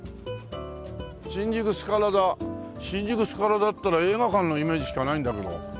「新宿スカラ座」新宿スカラ座っていったら映画館のイメージしかないんだけど。